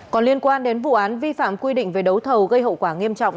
còn liên quan đến vụ án vi phạm quy định về đấu thầu gây hậu quả nghiêm trọng